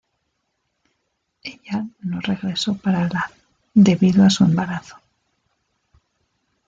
Ella no regresó para la debido a su embarazo.